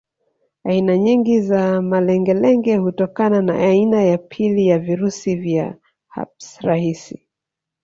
Aina nyingi za malengelenge hutokana na aina ya pili ya virusi vya herpes rahisi